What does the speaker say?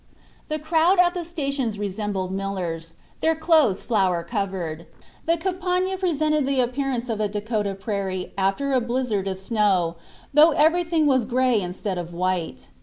The crowds at the stations resembled millers, their clothes flour covered; the Campania presented the appearance of a Dakota prairie after a blizzard of snow, though everything was gray instead of white.